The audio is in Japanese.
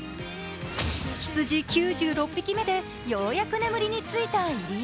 羊９６匹目でようやく眠りについた入江。